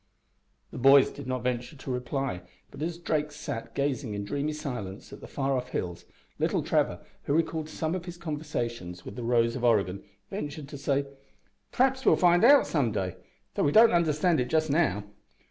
The boys did not venture to reply, but as Drake sat gazing in dreamy silence at the far off hills, little Trevor, who recalled some of his conversations with the Rose of Oregon, ventured to say, "P'r'aps we'll find out some day, though we don't understand it just now."